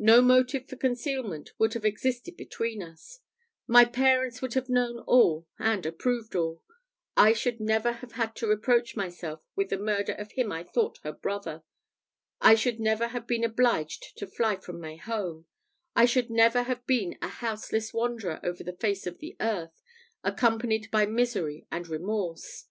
No motive for concealment would have existed between us; my parents would have known all and approved all I should never have had to reproach myself with the murder of him I thought her brother I should never have been obliged to fly from my home I should never have been a houseless wanderer over the face of the earth, accompanied by misery and remorse.